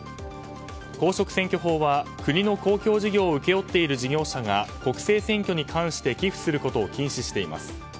公職選挙法は国の公共事業を請け負っている事業者が国政選挙に関して寄付することを禁止しています。